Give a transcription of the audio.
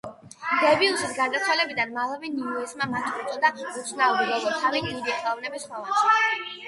დებიუსის გარდაცვალებიდან მალევე, ნიუმენმა მათ უწოდა „უცნაური ბოლო თავი დიდი ხელოვანის ცხოვრებაში“.